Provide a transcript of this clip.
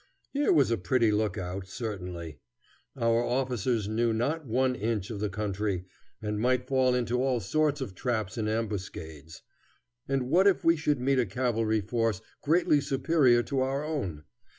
Here was a pretty lookout, certainly! Our officers knew not one inch of the country, and might fall into all sorts of traps and ambuscades; and what if we should meet a cavalry force greatly superior to our own?